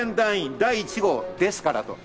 第１号ですから。